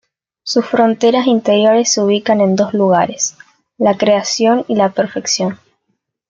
Sus fronteras interiores se ubican en dos lugares, la creación y la perfección.